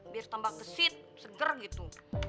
biar tambah gesit seger gitu